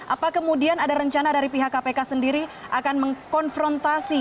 apa kemudian ada rencana dari pihak kpk sendiri akan mengkonfrontasi